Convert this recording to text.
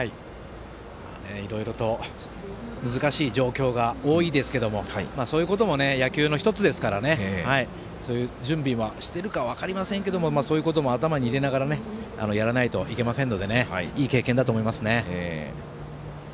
いろいろと難しい状況が多いですがそういうことも野球の１つですからそういう準備はしてるか分かりませんがそういうことも頭に入れながらやらないといけませんのでいい経験だと思います。